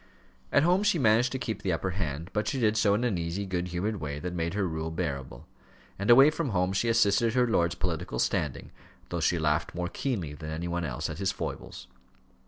At home she managed to keep the upper hand, but she did so in an easy, good humoured way that made her rule bearable; and away from home she assisted her lord's political standing, though she laughed more keenly than any one else at his foibles.